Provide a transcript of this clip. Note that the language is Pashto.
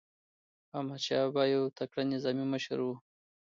احمدشاه بابا یو تکړه نظامي مشر و.